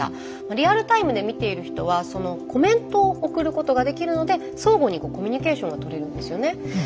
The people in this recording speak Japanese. リアルタイムで見ている人はそのコメントを送ることができるので相互にコミュニケーションが取れるんですよね。